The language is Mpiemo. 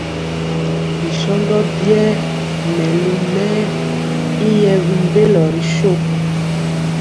Bi shóndo biɛɛ melu mɛɛ y yɛɛ mbélo ri shó.